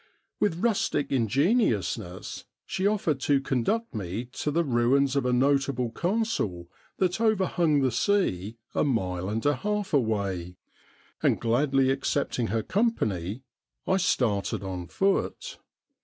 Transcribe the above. With rustic ingenuousness she offered to conduct me to the ruins of a notable castle that overhung the sea a mile and a half away, and gladly accepting her company I started on foot.